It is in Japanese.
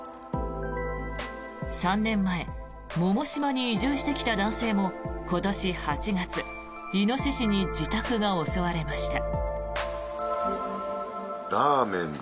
３年前百島に移住してきた男性も今年８月イノシシに自宅が襲われました。